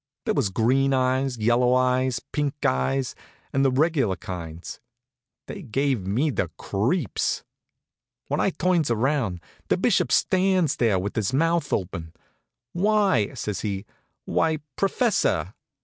There was green eyes, yellow eyes, pink eyes, and the regular kinds. They gave me the creeps. When I turns around, the Bishop stands there with his mouth open. "Why," says he "why, professor!"